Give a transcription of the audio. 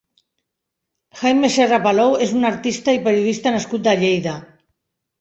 Jaime Serra Palou és un artista i periodista nascut a Lleida.